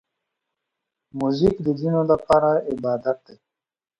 موزیک د ځینو لپاره عبادت دی.